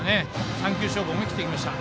３球勝負、思い切っていきました。